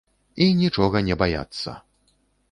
І нічога не баяцца!